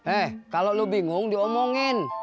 eh kalau lo bingung diomongin